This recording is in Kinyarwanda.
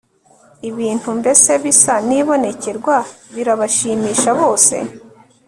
ibintu mbese bisa n'ibonekerwa, birabashimisha bose